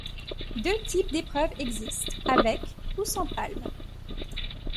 Deux types d'épreuves existent, avec ou sans palmes.